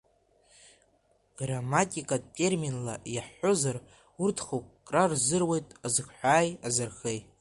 Грамматикатә терминла иаҳҳәозар, урҭ хықәкра рзыруеит азхҳәааи азырхеи.